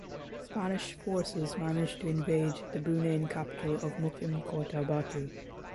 Spanish forces managed to invade the Bruneian capital of Mukim Kota Batu.